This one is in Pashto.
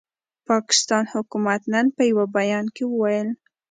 د پاکستان حکومت نن په یوه بیان کې وویل،